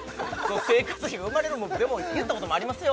生活費が生まれるでも言ったこともありますよ